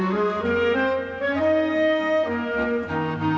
โปรดติดตามต่อไป